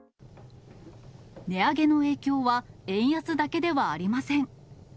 値上げの影響は、円安だけではありません。